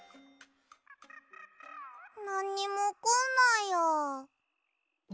なんにもおこんないや。